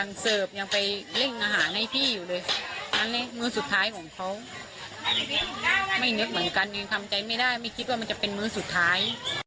ไม่นึกเหมือนกันยังทำใจไม่ได้ไม่คิดว่ามันจะเป็นมื้อสุดท้าย